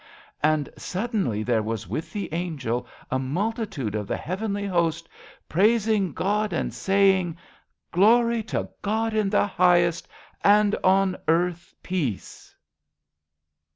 And suddenly there was with the angel a multitude of the heavenly host, prais ing God, and saying :—" Glory to God in the Highest, and on earth peace.